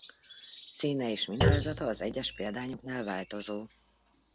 Színe és mintázata az egyes példányoknál változó.